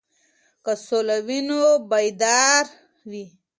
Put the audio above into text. که سوله وي نو پایدار وي.